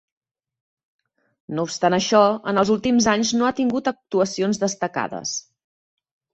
No obstant això, en els últims anys no ha tingut actuacions destacades.